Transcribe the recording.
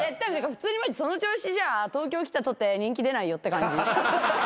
普通にマジその調子じゃ東京来たとて人気出ないよって感じ。